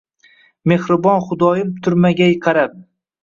Mehribon Xudoyim turmagay qarab